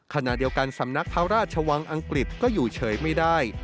ขณะเดียวกันสำนักพระราชวังอังกฤษก็อยู่เฉยไม่ได้